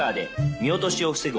見落としを防ぐ